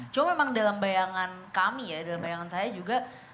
cuma memang dalam bayangan kami ya dalam bayangan saya juga